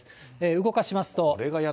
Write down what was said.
動かしますと。